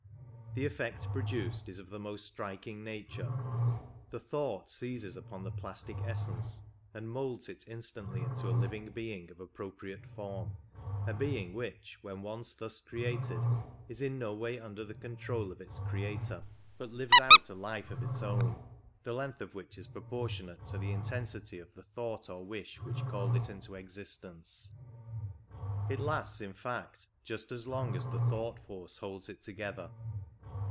The effect produced is of the most striking nature. 'I'he thought seizes upon the plastic essence, and moulds it instantly into a living being of appropriate form — a being which when once thus created is in no way under the control of its creator, but lives out a life of its own, 6S the length of which is proportionate to the intensity of the thought or wish which called it into existence. It lasts, in fact, just as long as the thought force holds it together.